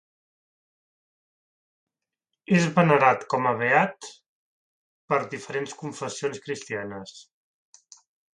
És venerat com a beat per diferents confessions cristianes.